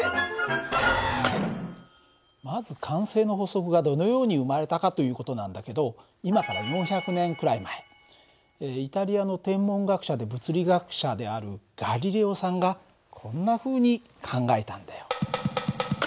まず慣性の法則がどのように生まれたかという事なんだけど今から４００年くらい前イタリアの天文学者で物理学者であるガリレオさんがこんなふうに考えたんだよ。